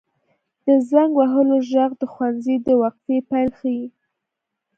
• د زنګ وهلو ږغ د ښوونځي د وقفې پیل ښيي.